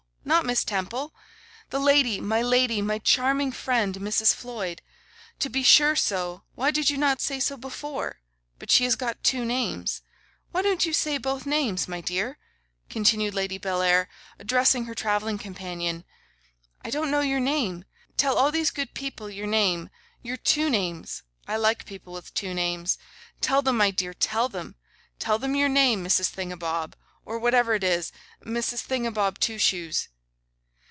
not Miss Temple! The lady, my lady, my charming friend, Mrs. Floyd! To be sure so; why did not you say so before? But she has got two names. Why don't you say both names? My dear,' continued Lady Bellair, addressing her travelling companion, 'I don't know your name. Tell all these good people your name; your two names! I like people with two names. Tell them, my dear, tell them; tell them your name, Mrs. Thingabob, or whatever it is, Mrs. Thingabob Twoshoes.